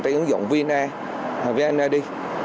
cái ứng dụng vni đi